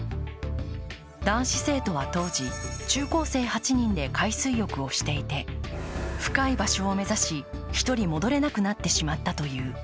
男子生徒は当時中高生８人で海水浴をしていて深い場所を目指し、１人戻れなくなってしまったという。